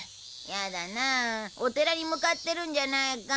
やだなお寺に向かってるんじゃないか。